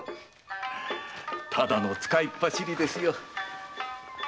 ただの使い走りですよ。